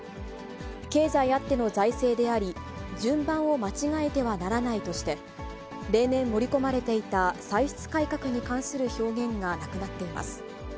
経済あっての財政であり、順番を間違えてはならないとして、例年盛り込まれていた、歳出改革に関する表現がなくなっています。